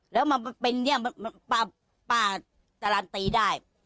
แล้วมาเป็นเนี่ยป้าการันตีได้